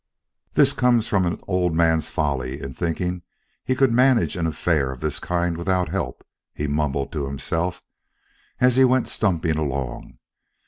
"This comes from an old man's folly in thinking he could manage an affair of this kind without help," he mumbled to himself as he went stumping along.